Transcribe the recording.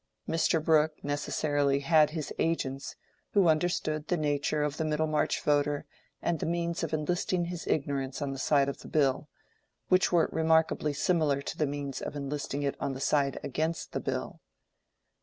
Mr. Brooke, necessarily, had his agents, who understood the nature of the Middlemarch voter and the means of enlisting his ignorance on the side of the Bill—which were remarkably similar to the means of enlisting it on the side against the Bill.